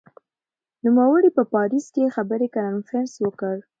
نوموړي په پاریس کې خبري کنفرانس وکړ.